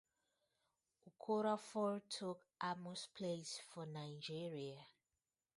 Okorafor took Amu's place for Nigeria.